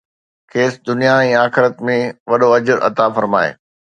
کيس دنيا ۽ آخرت ۾ وڏو اجر عطا فرمائي.